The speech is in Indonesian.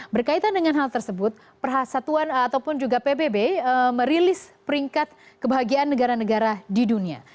berkaitan dengan hal tersebut perhasatuan ataupun juga pbb merilis peringkat kebahagiaan negara negara di dunia